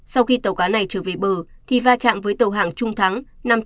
sau khi tàu cá này trở về bờ thì va chạm với tàu hàng trung thắng năm trăm tám mươi